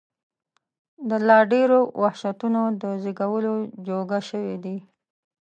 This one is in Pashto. د لا ډېرو وحشتونو د زېږولو جوګه شوي دي.